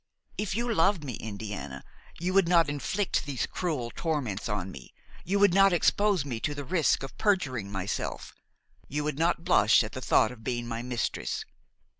If you loved me, Indiana, you would not inflict these cruel torments on me, you would not expose me to the risk of perjuring myself, you would not blush at the thought of being my mistress.